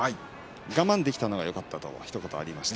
我慢できたのがよかったというひと言がありました。